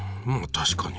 確かに。